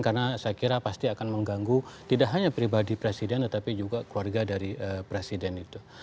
karena saya kira pasti akan mengganggu tidak hanya pribadi presiden tetapi juga keluarga dari presiden itu